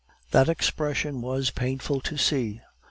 That expression was painful to see.